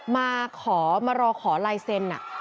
มารอขอไลเซน